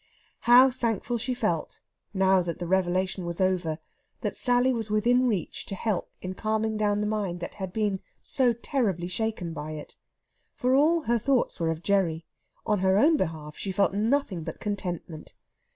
How thankful she felt, now that the revelation was over, that Sally was within reach to help in calming down the mind that had been so terribly shaken by it; for all her thoughts were of Gerry; on her own behalf she felt nothing but contentment.